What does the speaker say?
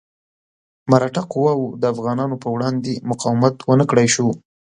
مرهټه قواوو د افغانانو په وړاندې مقاومت ونه کړای شو.